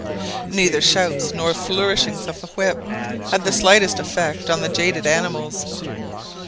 Neither shouts nor flourishings of the whip had the slightest effect on the jaded animals.